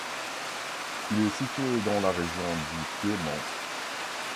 Il est situé dans la région du Piedmont.